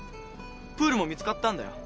プールも見つかったんだよ。